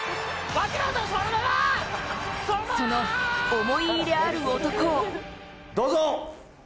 その思い入れある男を。